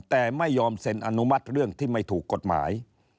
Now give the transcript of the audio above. แต่ไม่ยอมเซ็นอนุมัติเรื่องที่ไม่ถูกกฎหมาย